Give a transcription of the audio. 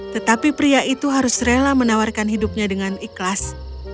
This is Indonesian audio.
tetapi pria itu harus rela menawarkan hidupnya dengan ikhlas